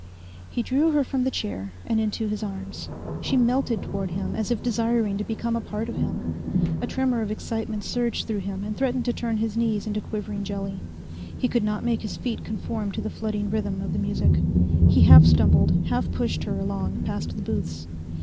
He drew her from the chair and into his arms. She melted toward him as if desiring to become a part of him. A tremor of excitement surged through him and threatened to turn his knees into quivering jelly. He could not make his feet conform to the flooding rhythm of the music. He half stumbled, half pushed her along past the booths.